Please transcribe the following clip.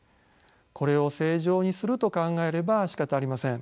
これを正常にすると考えればしかたありません。